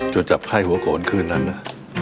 จะจับไข้หัวโขนคืนนั้นนะ